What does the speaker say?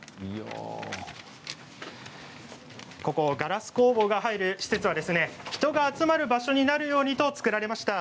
ここガラス工房から入る施設は人が集まる場所になるようにと作られました。